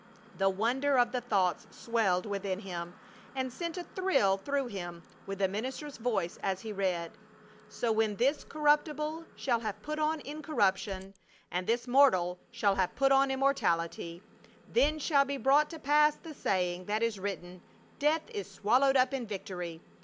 The wonder of the thought swelled within him, and sent a thrill through him with the minister's voice as he read: "So when this corruptible shall have put on incorruption, and this mortal shall have put on immortality, then shall be brought to pass the saying that is written: Death is swallowed up in victory.